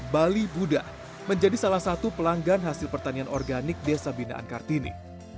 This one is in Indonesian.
bali buddha menjadi salah satu pelanggan hasil pertanian organik desa binaan kartini